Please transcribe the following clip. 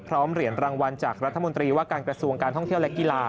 เหรียญรางวัลจากรัฐมนตรีว่าการกระทรวงการท่องเที่ยวและกีฬา